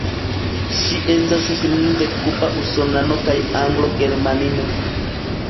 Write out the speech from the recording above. Ŝi estas filino de kuba usonano kaj anglo-germanino.